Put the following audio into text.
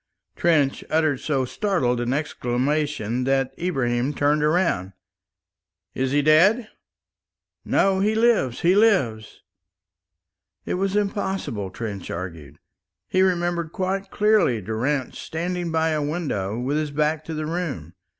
Trench uttered so startled an exclamation that Ibrahim turned round. "Is he dead?" "No, he lives, he lives." It was impossible, Trench argued. He remembered quite clearly Durrance standing by a window with his back to the room.